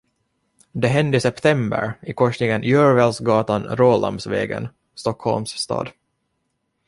Det hände i september i korsningen Gjörwellsgatan - Rålambsvägen, Stockholms stad.